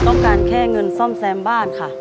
ต้องการแค่เงินซ่อมแซมบ้านค่ะ